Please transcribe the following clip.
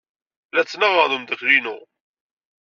La ttnaɣeɣ ed umeddakel-inu.